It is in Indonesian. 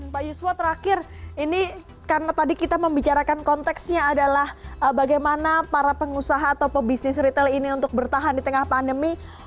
pak yuswa terakhir ini karena tadi kita membicarakan konteksnya adalah bagaimana para pengusaha atau pebisnis retail ini untuk bertahan di tengah pandemi